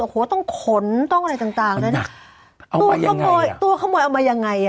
โอ้โหต้องขนต้องอะไรต่างน่ะตัวขโมยเอามายังไงอ่ะ